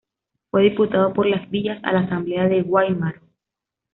Fue diputado por Las Villas a la Asamblea de Guáimaro.